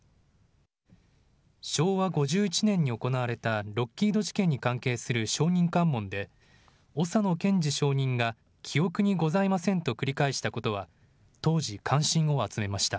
昭和５１年に行われたロッキード事件に関係する証人喚問で小佐野賢治証人が記憶にございませんと繰り返したことは当時、関心を集めました。